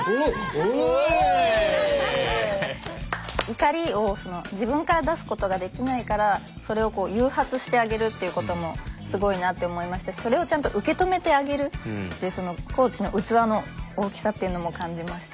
怒りを自分から出すことができないからそれを誘発してあげるっていうこともすごいなって思いましたしそれをちゃんと受け止めてあげるってコーチの器の大きさっていうのも感じました。